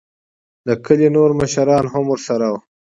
دکلي نوور مشران هم ورسره وو.